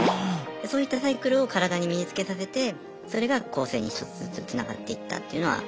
そういったサイクルを体に身につけさせてそれが更生に１つずつつながっていったっていうのはあるとは思います。